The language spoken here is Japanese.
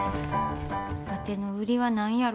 わての売りは何やろか？